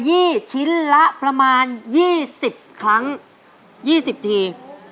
ขยี้ชิ้นละประมาณ๒๐ครั้ง๒๐ที